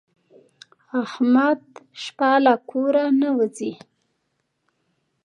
احمد شپه له کوره نه وځي.